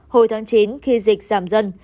hồi tháng chín khi dịch giảm dân